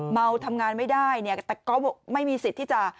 เมาทำงานไม่ได้เนี่ยแต่ก็ไม่มีสิทธิ์ที่จะ